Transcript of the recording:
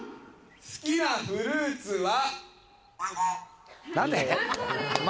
好きなフルーツは？